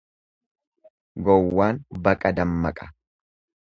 Gowwaan baqa dammaqa.